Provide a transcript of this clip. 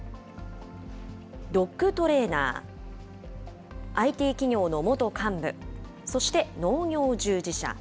ドッグトレーナー、ＩＴ企業の元幹部、そして農業従事者。